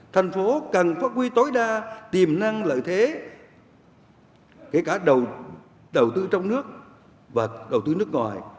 thành phố cần phát huy tối đa tiềm năng lợi thế kể cả đầu tư trong nước và đầu tư nước ngoài